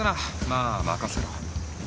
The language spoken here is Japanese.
まあ任せろ。